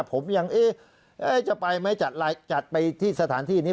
ผมยังเอ๊ะจะไปไหมจัดไปที่สถานที่นี้